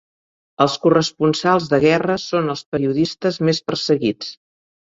Els corresponsals de guerra són els periodistes més perseguits.